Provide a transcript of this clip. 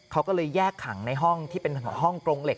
เขาก็เลยแยกขังในห้องที่เป็นห้องกรงเหล็